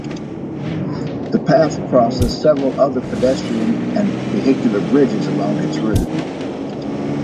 The path crosses several other pedestrian and vehicular bridges along its route.